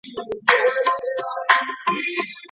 رڼا د زده کړي په چاپیریال کي مهمه ده.